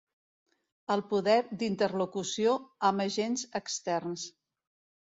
El poder d'interlocució amb agents externs.